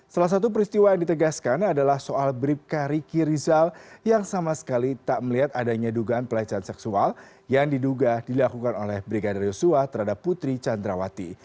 salah satu peristiwa yang ditegaskan adalah soal bribka riki rizal yang sama sekali tak melihat adanya dugaan pelecehan seksual yang diduga dilakukan oleh brigadir yosua terhadap putri candrawati